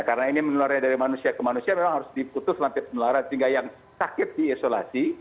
karena ini menular dari manusia ke manusia memang harus diputus rantai penularan sehingga yang sakit diisolasi